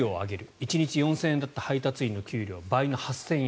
１日４０００円だった配達員の給料倍の８０００円